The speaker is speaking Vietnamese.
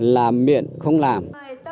làm miệng không làm